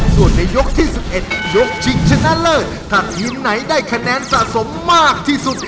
ส่วนในยกที่๑๑ยกชิงชนะเลิศถ้าทีมไหนได้คะแนนสะสมมากที่สุด